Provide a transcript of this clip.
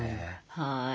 はい。